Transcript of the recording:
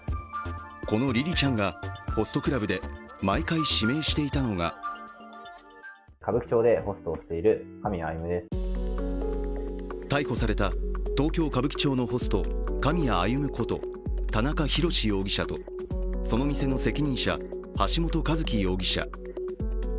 このりりちゃんが、ホストクラブで毎回、指名していたのが逮捕された東京・歌舞伎町のホスト狼谷歩こと、田中裕志容疑者とその店の責任者、橋本一喜容疑者。